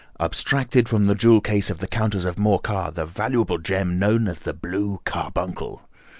abstracted from the jewel case of the Countess of Morcar the valuable gem known as the blue carbuncle.